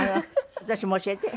私も教えて。